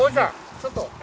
ちょっと。